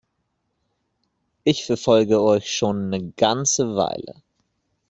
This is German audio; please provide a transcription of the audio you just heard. Ich verfolge euch schon 'ne ganze Weile.